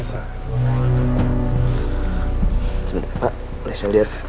sebenarnya pak presiden